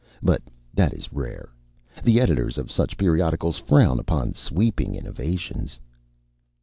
But that is rare. The editors of such periodicals frown upon sweeping innovations."